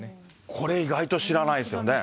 これ、意外と知らないですよね。